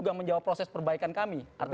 dan pada akhirnya seluruh perjalanan itu